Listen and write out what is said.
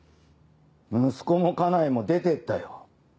息子も家内も出てったよ。